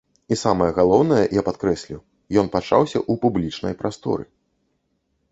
І самае галоўнае, я падкрэслю, ён пачаўся ў публічнай прасторы.